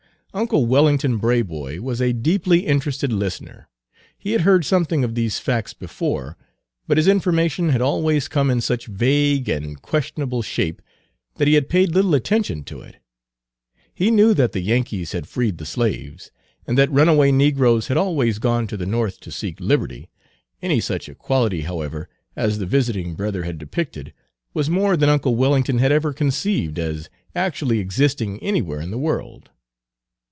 Uncle Wellington Braboy was a deeply interested listener. He had heard something of these facts before, but his information had always come in such vague and questionable shape that he had paid little attention to it. He knew that the Yankees had freed the slaves, and that runaway negroes had always gone to the North to seek liberty; any such equality, however, as the visiting brother had depicted, was more than uncle Wellington had ever conceived as actually existing anywhere in the world.